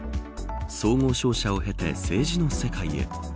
総合商社を経て政治の世界へ。